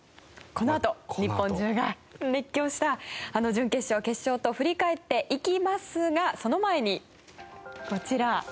このあと日本中が熱狂したあの準決勝決勝と振り返っていきますがその前にこちら。